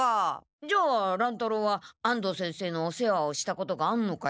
じゃあ乱太郎は安藤先生のお世話をしたことがあんのかよ？